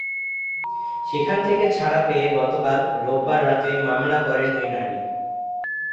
সেখান থেকে ছাড়া পেয়ে গতকাল রোববার রাতে মামলা করেন ওই নারী।